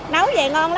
nấu gì ngon